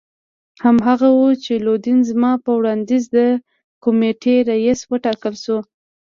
هماغه وو چې لودین زما په وړاندیز د کمېټې رییس وټاکل شو.